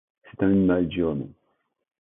C’est un animal diurne.